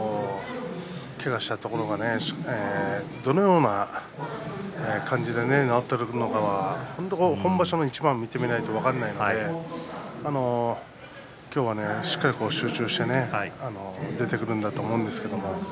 けがをしたところがどのような感じになっているのか一番見てみなきゃ分かりませんが今日は、しっかり集中して出てくるんだと思うんですけど。